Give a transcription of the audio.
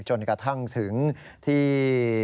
จนกระทั่งถึงที่